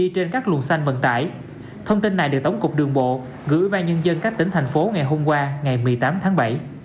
tên này được tổng cục đường bộ gửi ba nhân dân các tỉnh thành phố ngày hôm qua ngày một mươi tám tháng bảy